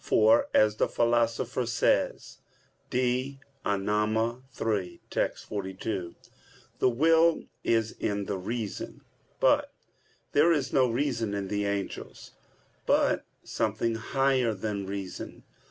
For as the Philosopher says (De Anima iii, text. 42), "The will is in the reason." But there is no reason in the angels, but something higher than reason.